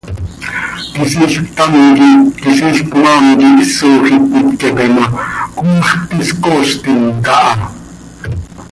Quisiil ctam quij quisiil cmaam quij isoj iic cöitqueepe ma, cmaax pti scooztim caha.